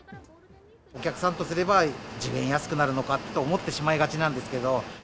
お客さんとすれば、１０円安くなるのかって思ってしまいがちなんですけど。